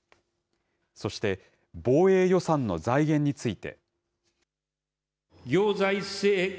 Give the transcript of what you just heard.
そして、防衛予算の財源について。